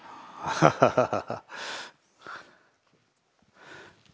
ハハハハ。